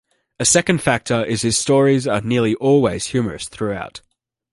A second factor is his stories are nearly always humorous throughout.